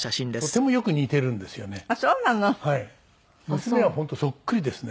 娘は本当そっくりですね。